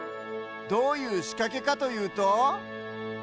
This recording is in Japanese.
どういうしかけかというと。